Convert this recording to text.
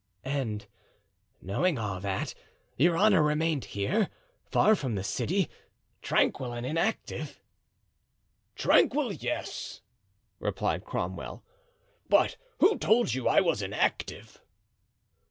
"And knowing all that, your honor remained here, far from the city, tranquil and inactive." "Tranquil, yes," replied Cromwell. "But who told you I was inactive?"